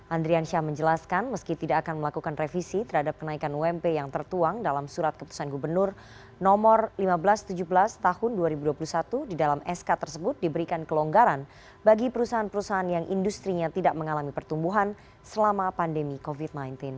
andrian syah menjelaskan meski tidak akan melakukan revisi terhadap kenaikan ump yang tertuang dalam surat keputusan gubernur nomor lima belas tujuh belas tahun dua ribu dua puluh satu di dalam sk tersebut diberikan kelonggaran bagi perusahaan perusahaan yang industri nya tidak mengalami pertumbuhan selama pandemi covid sembilan belas